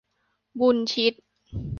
บุญชิต